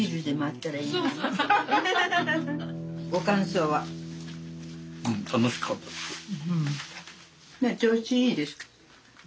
調子いいですか？